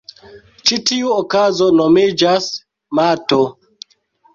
Ĉi tiu okazo nomiĝas mato.